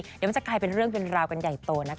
เดี๋ยวมันจะกลายเป็นเรื่องเป็นราวกันใหญ่โตนะคะ